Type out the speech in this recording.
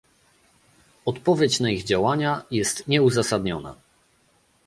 Odpowiedź na ich działania jest nieuzasadniona